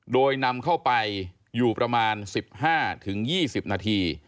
โดยนำเข้าไปอยู่ประมาณ๑๕๒๐นาที